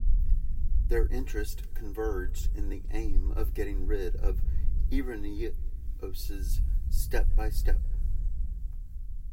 Their interest converged in the aim of getting rid of Ireneos step by step.